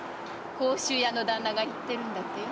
甲州屋の旦那が言ってるんだってよ。